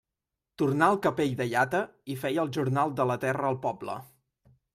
Tornà al capell de llata i feia el jornal de la terra al poble.